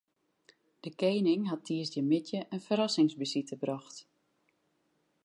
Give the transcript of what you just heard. De kening hat tiisdeitemiddei in ferrassingsbesite brocht.